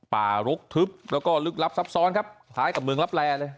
รกทึบแล้วก็ลึกลับซับซ้อนครับคล้ายกับเมืองลับแลเลย